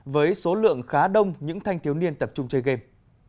với số lượng khá đông những thanh thiếu niên tập trung chơi game